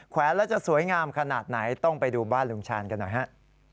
แวนแล้วจะสวยงามขนาดไหนต้องไปดูบ้านลุงชาญกันหน่อยฮะ